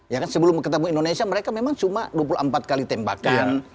ya kan sebelum ketemu indonesia mereka memang cuma dua puluh empat kali tembakan